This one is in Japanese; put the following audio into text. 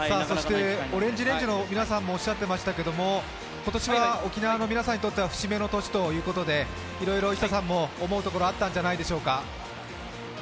そしてＯＲＡＮＧＥＲＡＮＧＥの皆さんもおっしゃっていましたけど、今年は沖縄の皆さんにとっては節目の年ということでいろいろＩＳＳＡさんも思うところあったんじゃないでしょぅか？